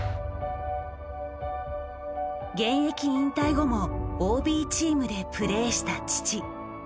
現役引退後もＯＢチームでプレーした父。